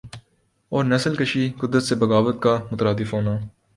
اور نسل کشی قدرت سے بغاوت کا مترادف ہونا